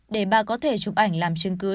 để bà có thể chụp ảnh làm chứng cứ chứng minh